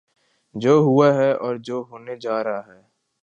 جو ہوا ہے اور جو ہونے جا رہا ہے۔